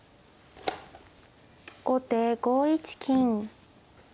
後手５一金。